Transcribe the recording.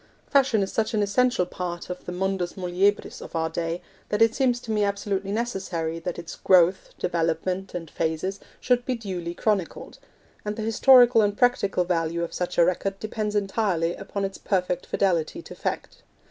Fashion is such an essential part of the mundus muliebris of our day, that it seems to me absolutely necessary that its growth, development, and phases should be duly chronicled; and the historical and practical value of such a record depends entirely upon its perfect fidelity to fact.